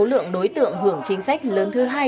số lượng đối tượng hưởng chính sách lớn thứ hai